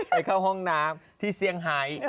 ไปเข้าห้องน้ำที่เซี่ยงไฮ